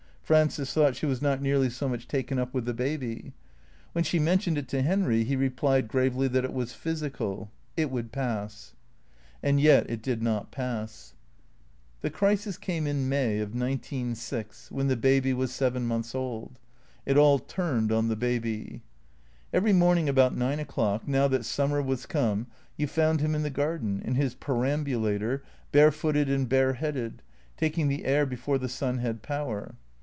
Frances thought she was not nearly so much taken up with the baby. When she mentioned it to Henry he replied gravely that it was physical. It would pass. And yet it did not pass. THECEEATORS 325 The crisis came in May of nineteen six, when the baby was seven months old. It all turned on the baby. Every morning about nine o'clock, now that summer was come, you found him in the garden, in his perambulator, bare footed and bareheaded, taking the air before the sun had power.